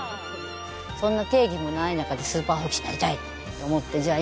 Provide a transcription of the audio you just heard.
そんな定義もない中でスーパー保育士になりたい！って思ってじゃあ